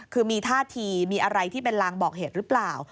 คือมีท่าทีมีอะไรที่เป็นลางบอกเหตุหรือเปล่า